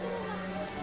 jadi coba ini perlengkapi